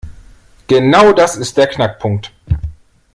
Genau das ist der Knackpunkt.